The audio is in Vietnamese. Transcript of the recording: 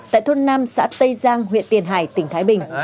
tại thôn năm xã tây giang huyện tiền hải tỉnh thái bình